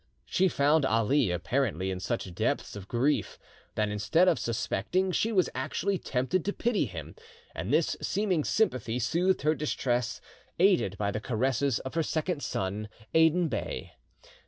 She found Ali apparently in such depths of grief, that instead of suspecting, she was actually tempted to pity him, and this seeming sympathy soothed her distress, aided by the caresses of her second son, Aden Bey.